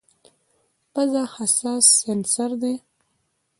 پزه حساس سینسر دی.